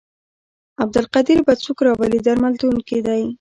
عبدالقدیر به څوک راولي درملتون کې دی.